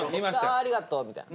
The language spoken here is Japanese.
「あありがとう」みたいな。